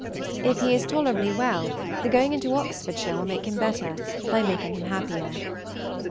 If he is tolerably well, the going into Oxfordshire will make him better, by making him happier.